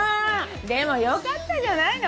でもよかったじゃないの。